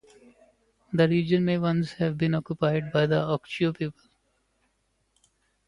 The region may once have been occupied by the Okjeo people.